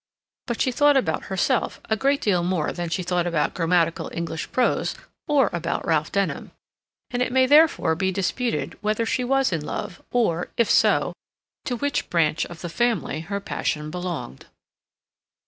But she thought about herself a great deal more than she thought about grammatical English prose or about Ralph Denham, and it may therefore be disputed whether she was in love, or, if so, to which branch of the family her passion belonged.